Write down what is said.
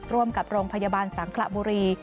ร่วมกับโรงพยาบาลสังขระบุรี